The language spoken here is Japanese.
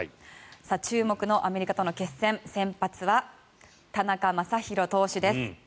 注目のアメリカとの決戦先発は田中将大投手です。